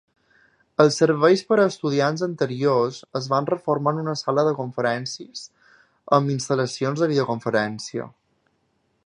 Els serveis per a estudiants anteriors es van reformar en una sala de conferències amb instal·lacions de videoconferència.